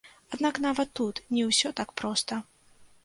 Аднак нават тут не ўсё так проста.